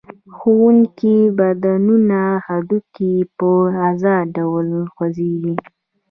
ښورېدونکي بندونه هډوکي یې په آزاد ډول خوځېږي.